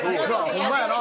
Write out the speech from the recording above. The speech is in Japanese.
ホンマやな。